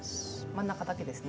真ん中だけですね。